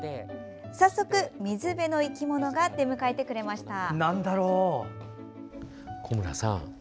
早速、水辺の生き物が出迎えてくれました。